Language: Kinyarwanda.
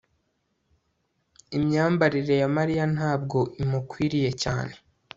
Imyambarire ya Mariya ntabwo imukwiriye cyane